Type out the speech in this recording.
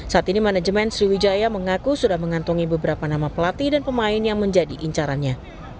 saat ini manajemen sriwijaya mengaku sudah mengantongi beberapa nama pelatih dan pemain yang menjadi incarannya